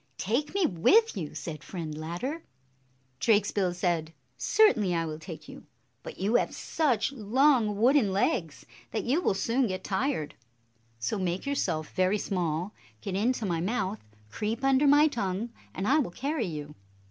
"Take me with you!" said Friend Ladder. Drakesbill said, "Certainly I will take you; but you have such long wooden legs that you will soon get tired. So make yourself very small, get into my mouth, creep under my tongue, and I will carry you."